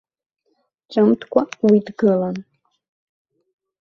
Ҿымҭкәа уи дгылан.